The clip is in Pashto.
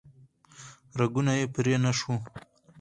رګونه یې پرې نه شو